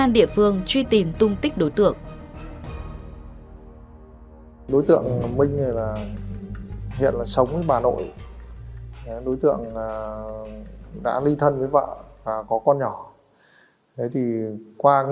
nhưng vẫn thường xuyên liên lạc với chị phương